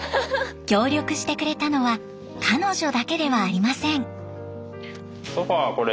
協力してくれたのは彼女だけではありません。